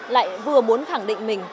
lại vừa muốn khẳng định mình